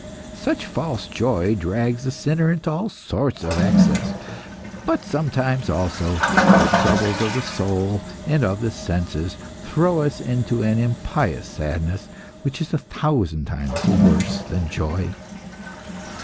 Such false joy drags the sinner into all sorts of excess. But sometimes also the troubles of the soul and of the senses throw us into an impious sadness which is a thousand times worse than the joy.